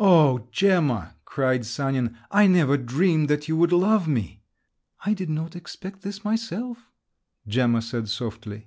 "O Gemma!" cried Sanin: "I never dreamed that you would love me!" "I did not expect this myself," Gemma said softly.